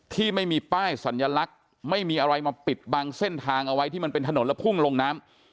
ที่ไม่มีป้ายสัญลักษณ์ไม่มีอะไรมาปิดบังเส้นทางเอาไว้ที่มันเป็นถนนแล้วพุ่งลงน้ำ